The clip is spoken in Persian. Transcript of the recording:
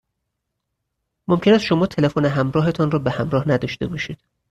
ممکن است شما تلفن همراهتان را به همراه نداشته باشید.